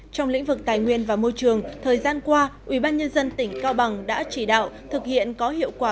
trong lĩnh vực tài nguyên và môi trường thời gian qua ubnd tỉnh cao bằng đã chỉ đạo thực hiện có hiệu quả